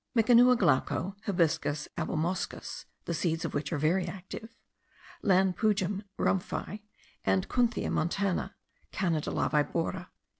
Mikanua guaco, Hibiscus abelmoschus (the seeds of which are very active), Lanpujum rumphii, and Kunthia montana (Cana de la Vibora).)